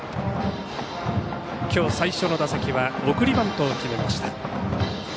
今日最初の打席は送りバントを決めました。